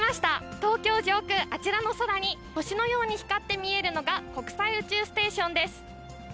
東京上空、あちらの空に星のように光って見えるのが、国際宇宙ステーションです。